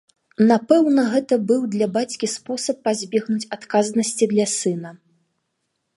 Напэўна, гэта быў для бацькі спосаб пазбегнуць адказнасці для сына.